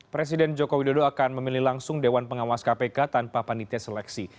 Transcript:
presiden joko widodo akan memilih langsung dewan pengawas kpk tanpa panitia seleksi